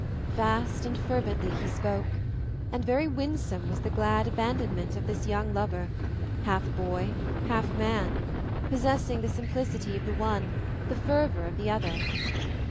Fast and fervently he spoke, and very winsome was the glad abandonment of this young lover, half boy, half man, possessing the simplicity of the one, the fervor of the other.